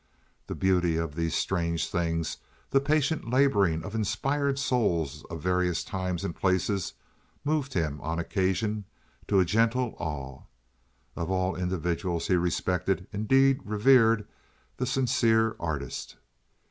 The beauty of these strange things, the patient laborings of inspired souls of various times and places, moved him, on occasion, to a gentle awe. Of all individuals he respected, indeed revered, the sincere artist.